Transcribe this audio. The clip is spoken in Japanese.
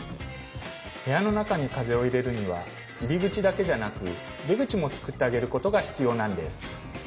部屋の中に風を入れるには入り口だけじゃなく出口もつくってあげることが必要なんです。